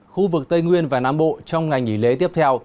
khu vực tây nguyên và nam bộ trong ngày nghỉ lễ tiếp theo